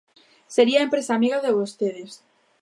Sería a empresa amiga de vostedes.